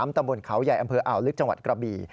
ตำบลเขาใหญ่อำเภออ่าวลึกจังหวัดกระบี่